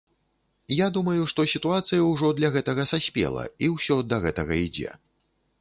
Я думаю, што сітуацыя ўжо для гэтага саспела і ўсё да гэтага ідзе.